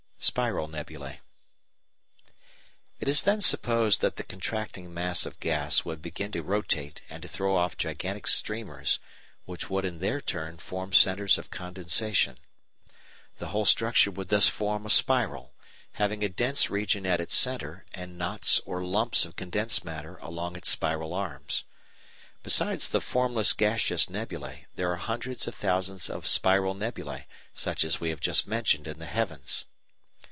Spiral Nebulæ It is then supposed that the contracting mass of gas would begin to rotate and to throw off gigantic streamers, which would in their turn form centres of condensation. The whole structure would thus form a spiral, having a dense region at its centre and knots or lumps of condensed matter along its spiral arms. Besides the formless gaseous nebulæ there are hundreds of thousands of "spiral" nebulæ such as we have just mentioned in the heavens.